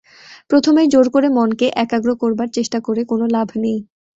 প্রথমেই জোর করে মনকে একাগ্র করবার চেষ্টা করে কোন লাভ নেই।